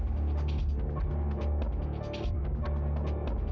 terus pas aku nengok